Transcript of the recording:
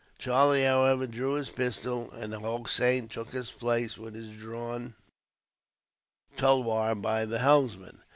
Charlie, however, drew his pistol, and Hossein took his place with his drawn tulwar by the helmsman.